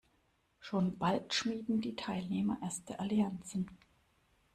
Schon bald schmieden die Teilnehmer erste Allianzen.